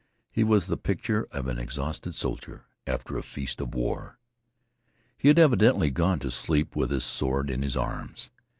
He was the picture of an exhausted soldier after a feast of war. He had evidently gone to sleep with his sword in his arms.